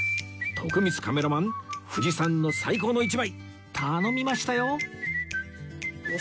徳光カメラマン藤さんの最高の一枚頼みましたよ！